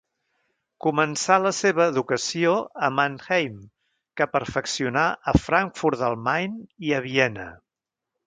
Començà la seva educació a Mannheim, que perfeccionà a Frankfurt del Main i a Viena.